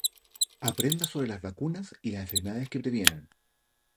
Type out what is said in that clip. Aprenda sobre las vacunas y las enfermedades que previenen.